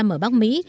năm mươi bốn ở bắc mỹ